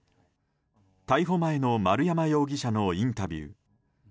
逮捕前の丸山容疑者のインタビュー。